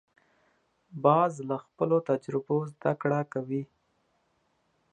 باز له خپلو تجربو زده کړه کوي